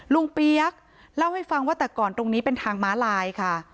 เปี๊ยกเล่าให้ฟังว่าแต่ก่อนตรงนี้เป็นทางม้าลายค่ะ